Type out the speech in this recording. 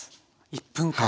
１分間。